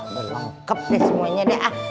lengkap deh semuanya